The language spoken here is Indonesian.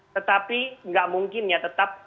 tetapi nggak mungkin ya tetap